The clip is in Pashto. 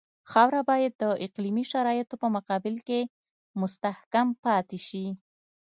خاوره باید د اقلیمي شرایطو په مقابل کې مستحکم پاتې شي